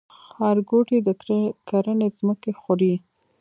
ښارګوټي د کرنې ځمکې خوري؟